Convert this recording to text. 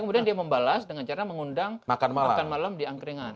kemudian dia membalas dengan cara mengundang makan malam di angkringan